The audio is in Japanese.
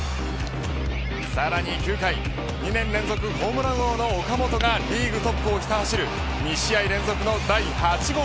さらに９回２年連続ホームラン王の岡本がリーグトップをひた走る２試合連続第８号。